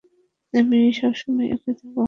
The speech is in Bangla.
আমি সবসময় একই থাকব।